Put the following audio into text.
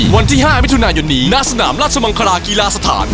วันที่๕มิถุนายนนี้ณสนามราชมังคลากีฬาสถาน